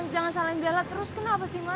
jangan salahin bella terus kenapa sih ma